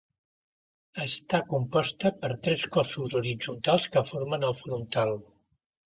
Està composta per tres cossos horitzontals que formen el frontal.